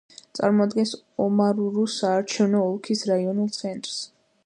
წარმოადგენს ომარურუს საარჩევნო ოლქის რაიონულ ცენტრს.